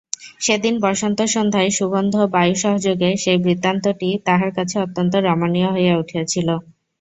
সেদিন বসন্তসন্ধ্যায় সুগন্ধ বায়ুসহযোগে সেই বৃত্তান্তটি তাঁহার কাছে অত্যন্ত রমণীয় হইয়া উঠিয়াছিল।